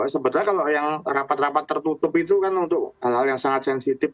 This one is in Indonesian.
sebenarnya kalau yang rapat rapat tertutup itu kan untuk hal hal yang sangat sensitif